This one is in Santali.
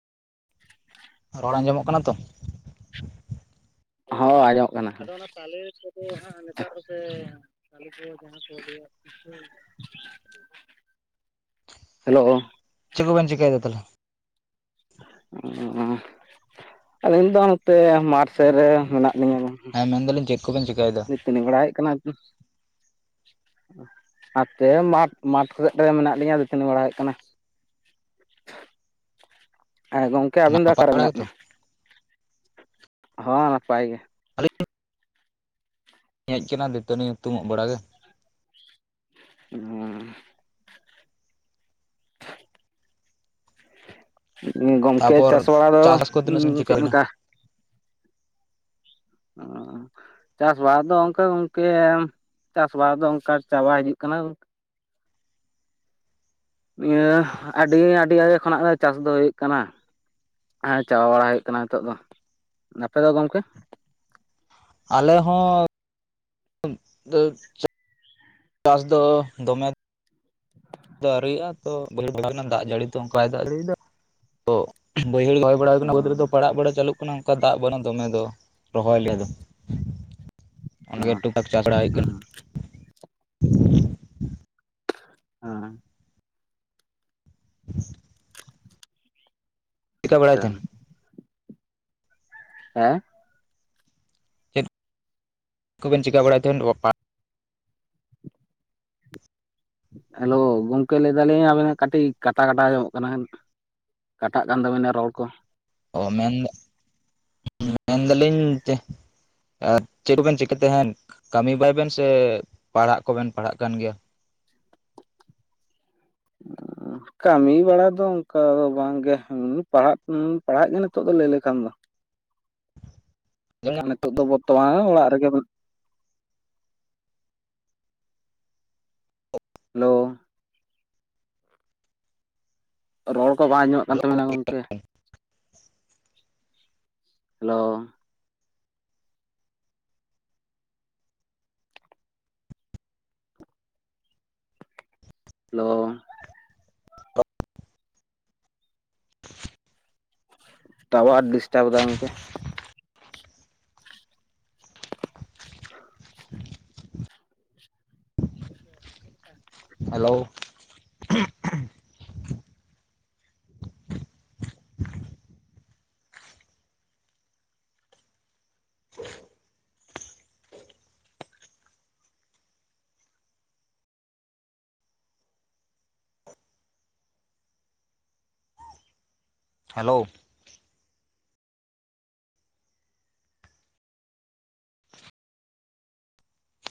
[inaudible] ᱨᱚᱲ ᱟᱸᱡᱚᱢᱚᱜ ᱠᱟᱱᱟ ᱛᱚ᱾ ᱦᱚᱸ ᱟᱸᱡᱚᱢᱚᱜ ᱠᱟᱱᱟ᱾ [unintelligible] [inaudible] [unintelligible] ᱦᱮᱞᱳ᱾ ᱪᱮᱫ ᱠᱚ ᱵᱮᱱ ᱪᱤᱠᱟᱹᱭ ᱮᱫᱟ ᱛᱟᱦᱚᱞᱮ? ᱚ ᱟᱹᱞᱤᱧ ᱫᱚ ᱱᱚᱛᱮ ᱢᱟᱴ ᱥᱮᱫ ᱨᱮ ᱢᱮᱱᱟᱜ ᱞᱤᱧᱟᱹ᱾ ᱦᱮᱸ ᱢᱮᱱ ᱫᱟᱞᱤᱧ ᱪᱮᱫ ᱠᱚᱵᱮᱱ ᱪᱤᱠᱟᱹᱭ ᱮᱫᱟ? [unintelligible] ᱵᱮᱲᱟ ᱦᱮᱡ [inaudible] ᱟᱛᱮ ᱢᱟᱴᱷ, ᱢᱟᱴᱷ ᱠᱚᱨᱮᱫ ᱨᱮ ᱢᱮᱱᱟᱜ ᱞᱤᱧᱟᱹ ᱫᱟᱹᱛᱟᱹᱱᱤ ᱵᱟᱲᱟ ᱦᱩᱭᱩᱜ ᱠᱟᱱᱟ᱾ [inaudible] ᱦᱮᱸ ᱜᱚᱝᱠᱮ ᱟᱵᱮᱱ ᱫᱚ ᱱᱟᱯᱟᱭ ᱟᱠᱟᱨᱮ ᱵᱟᱲᱟ ᱢᱮᱱᱟᱜ ᱜᱮᱛᱚ ᱢᱮᱭᱟ? ᱦᱚᱸ ᱱᱟᱯᱟᱭ ᱜᱮ᱾ ᱟᱞᱤᱧ [inaudible] ᱦᱮᱡ ᱠᱟᱱᱟ ᱫᱟᱹᱛᱟᱹᱱᱤ ᱦᱩᱛᱩᱢ-ᱚᱜ ᱵᱟᱲᱟ ᱜᱮ᱾ ᱦᱩᱸᱻ ᱜᱚᱝᱠᱮ ᱛᱟᱯᱚᱨ ᱪᱟᱥ ᱵᱟᱲᱟ ᱫᱚ ᱪᱟᱥᱵᱟᱥ ᱠᱚ ᱛᱤᱱᱟᱹᱜ ᱥᱟᱺᱜᱤᱧ ᱪᱤᱠᱟᱹ ᱪᱮᱫ ᱦᱩᱭᱱᱟ ᱞᱮᱠᱟ? ᱚ ᱪᱟᱥ-ᱵᱟᱥ ᱫᱚ ᱚᱱᱠᱟ ᱜᱚᱝᱠᱮ ᱪᱟᱥ-ᱵᱟᱥ ᱫᱚ ᱚᱱᱠᱟ ᱪᱟᱵᱟ ᱦᱤᱡᱩᱜ ᱠᱟᱱᱟ᱾ ᱱᱤᱭᱟᱹ ᱟᱹᱰᱤ ᱟᱹᱰᱤ ᱟᱭᱳ ᱠᱷᱚᱱᱟᱜ ᱜᱮ ᱪᱟᱥ ᱫᱚ ᱦᱩᱭᱩᱜ ᱠᱟᱱᱟ᱾ ᱦᱮᱸ ᱪᱟᱵᱟ ᱵᱟᱲᱟ ᱦᱩᱭᱩᱜ ᱠᱟᱱᱟ ᱱᱤᱛᱚᱜ ᱫᱚ᱾ ᱢᱟᱱᱮ ᱟᱯᱮ ᱫᱚ ᱜᱚᱝᱠᱮ? ᱟᱞᱮ ᱦᱚᱸᱻ [inaudible] ᱪᱟᱥ ᱫᱚ ᱫᱚᱢᱮ ᱟᱹᱣᱨᱤᱭ-ᱟ ᱛᱚ [unintelligible] ᱫᱟᱜ ᱡᱟᱹᱲᱤ ᱛᱚ ᱚᱱᱠᱟᱭ ᱫᱟᱜ ᱡᱟᱹᱲᱤᱭ ᱫᱟᱭ ᱛᱚ᱾ ᱵᱟᱹᱭᱦᱟᱹᱲ ᱦᱚᱭ ᱵᱟᱲᱟ ᱚ ᱟᱠᱟᱱᱟ ᱵᱟᱹᱫᱽ ᱨᱮᱫᱚ ᱯᱟᱲᱟᱜ ᱵᱟᱲᱟ ᱵᱟᱲᱟ ᱪᱟᱞᱩᱜ ᱠᱷᱚᱱᱟᱜ ᱚᱱᱠᱟ ᱫᱟᱜ ᱵᱟᱹᱱᱩᱜ ᱫᱚᱢᱮ ᱫᱚ, ᱨᱚᱦᱚᱭ ᱞᱮᱭᱟ ᱫᱚ᱾ ᱚᱸᱰᱮ ᱚ ᱜᱮ ᱴᱩᱠ-ᱴᱟᱠ ᱪᱟᱥ ᱵᱟᱲᱟ ᱦᱩᱭᱩᱜ ᱠᱟᱱᱟ᱾ [inaudible] ᱦᱮᱸ [inaudible] ᱪᱤᱠᱟᱹ ᱵᱟᱲᱟᱭ ᱟᱪᱪᱷᱟ, ᱛᱟᱦᱮᱱ ᱦᱮᱸ? ᱪᱮᱫ ᱠᱚᱵᱮᱱ ᱪᱤᱠᱟ ᱵᱟᱲᱟᱭ ᱛᱟᱸᱦᱮᱱ [unintelligible] ᱦᱮᱞᱳ ᱜᱚᱝᱠᱮ ᱞᱟᱹᱭ ᱫᱟᱞᱤᱧ ᱟᱵᱮᱱᱟᱜ ᱠᱟᱴᱤᱡ ᱠᱟᱴᱟ ᱠᱟᱴᱟ ᱟᱸᱡᱚᱢᱚᱜ ᱠᱟᱱᱟ, ᱠᱟᱴᱟᱜ ᱠᱟᱱ ᱛᱟᱵᱤᱱᱟ ᱨᱚᱲ ᱠᱚ ᱾ ᱚ ᱢᱮᱱ ᱫᱟ ᱢᱮᱱᱫᱟᱞᱤᱧ ᱡᱮ ᱟᱨ ᱪᱮᱫ ᱠᱚᱵᱮᱱ ᱪᱤᱠᱟᱹ ᱛᱟᱸᱦᱮᱱ, ᱠᱟᱹᱢᱤ ᱵᱟᱲᱟᱭ ᱵᱮᱱ ᱥᱮ ᱯᱟᱲᱦᱟᱜ ᱠᱚᱵᱮᱱ ᱯᱟᱲᱦᱟᱜ ᱠᱟᱱ ᱜᱮᱭᱟ? [inaudible] ᱠᱟᱹᱢᱤ ᱵᱟᱲᱟ ᱫᱚ ᱚᱱᱠᱟ ᱫᱚ ᱵᱟᱝᱜᱮ, ᱯᱟᱲᱦᱟᱜ ᱯᱟᱲᱦᱟᱜ ᱜᱮ ᱱᱤᱛᱚᱜ ᱫᱚ ᱞᱟᱹᱭ ᱞᱮᱠᱷᱟᱱ ᱫᱚ ᱾ ᱟᱨ ᱱᱤᱛᱳᱜ ᱫᱚ ᱵᱚᱨᱛᱚᱢᱟᱱ ᱚᱲᱟᱜ ᱨᱮᱜᱮ ᱵᱚᱱ ᱦᱮᱞᱳ ᱨᱚᱲ ᱠᱚ ᱵᱟᱝ ᱟᱸᱡᱚᱢᱚᱜ ᱠᱟᱱ ᱦᱮᱞᱳ ᱛᱟᱵᱮᱱᱟ ᱜᱚᱝᱠᱮ, ᱦᱮᱞᱳ ᱦᱮᱞᱳ ᱴᱟᱣᱟᱨ ᱰᱤᱥᱴᱟᱵ ᱫᱟᱭ ᱜᱚᱝᱠᱮ ᱾ Hello hello